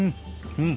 うん。